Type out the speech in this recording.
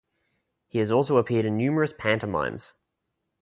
He has also appeared in numerous pantomimes.